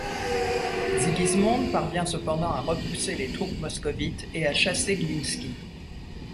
Sigismond parvient cependant à repousser les troupes moscovites et à chasser Glinski.